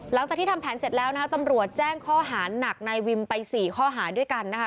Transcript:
หลังจากที่ทำแผนเสร็จแล้วนะคะตำรวจแจ้งข้อหาหนักนายวิมไป๔ข้อหาด้วยกันนะคะ